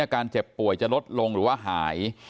การเจ็บป่วยจะลดลงหรือว่าหาย